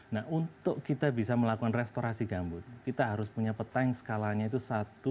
nah untuk kita bisa melakukan restorasi gambut kita harus punya peta yang skalanya itu satu